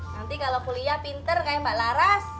nanti kalau kuliah pinter kayak mbak laras